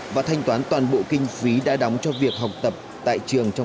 và thanh toán toàn bộ kinh phí đã đóng cho việc học tập tại trường mầm non